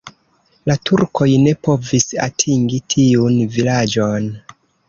La turkoj ne povis atingi tiun vilaĝon.